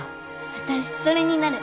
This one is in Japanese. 私それになる